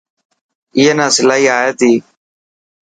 اي نا سلائي آئي تي.